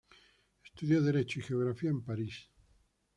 Estudió Derecho y Geografía en París.